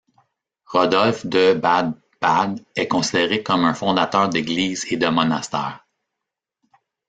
Rodolphe de Bade-Bade est considéré comme un fondateur d'églises et de monastères.